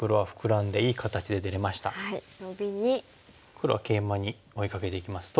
黒はケイマに追いかけていきますと。